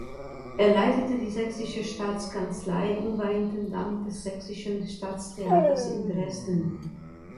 Er leitete die Sächsische Staatskanzlei und war Intendant des Sächsischen Staatstheaters in Dresden.